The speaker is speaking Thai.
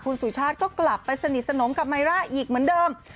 คุณสุชาติก็กลับไปสนิทสนมกับไมร่าอีกเหมือนเดิม